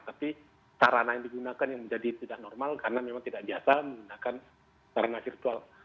tapi sarana yang digunakan yang menjadi tidak normal karena memang tidak biasa menggunakan sarana virtual